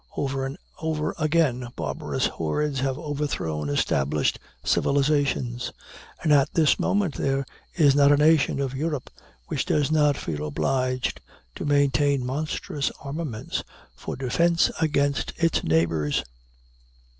Over and over again barbarous hordes have overthrown established civilizations; and at this moment there is not a nation of Europe which does not feel obliged to maintain monstrous armaments for defense against its neighbors.